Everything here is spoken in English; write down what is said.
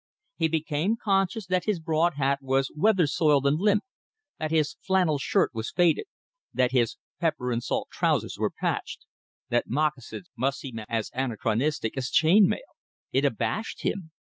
He became conscious that his broad hat was weather soiled and limp, that his flannel shirt was faded, that his "pepper and salt" trousers were patched, that moccasins must seem as anachronistic as chain mail. It abashed him.